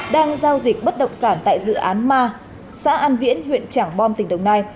đang giao dịch bất động sản tại dự án ma xã an viễn huyện trảng bom tỉnh đồng nai